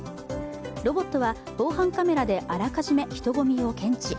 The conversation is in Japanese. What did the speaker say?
ロボットは防犯カメラであらかじめ人混みを検知。